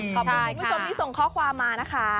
ขอบคุณคุณผู้ชมที่ส่งข้อความมานะคะ